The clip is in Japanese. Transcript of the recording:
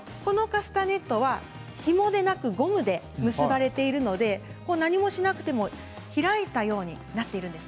これはひもでなくゴムで結ばれているので何もしなくても開くようになっているんです。